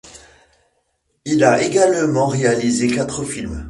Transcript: Il a également réalisé quatre films.